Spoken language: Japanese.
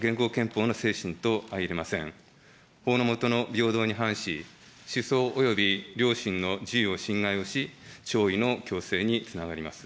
法の下の平等に反し、思想および良心の自由を侵害をし、弔意の強制につながります。